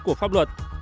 của pháp luật